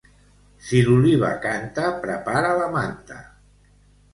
Si l'òliba canta, prepara la manta.